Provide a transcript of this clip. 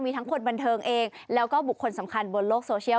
มีทั้งคนบันเทิงเองแล้วก็บุคคลสำคัญบนโลกโซเชียล